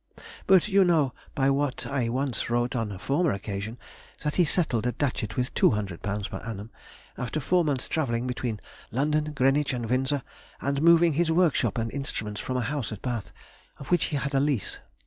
But you know by what I once wrote on a former occasion that he settled at Datchet with £200 per annum, after four months' travelling between London, Greenwich, and Windsor, and moving his workshop and instruments from a house at Bath, of which he had a lease.